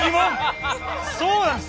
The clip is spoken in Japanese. そうなんです。